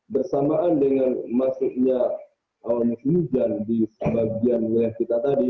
bersamaan dengan masuknya awan hujan di sebagian wilayah kita tadi